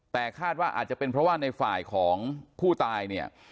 แต่คาดว่าอาจจะเป็นเพราะว่าในฝ่ายของผู้ตายเนี่ย